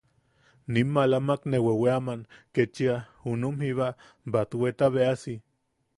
Nim maalamak ne weweaman ketchia junum jiba batwetabeasi.